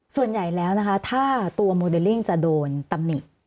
ส่วนใหญ่แล้วนะคะถ้าตัวโมเดลลิ่งจะโดนตำหนิ